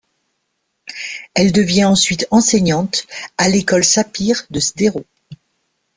Elle devient ensuite enseignante à l'école Sapir de Sderot.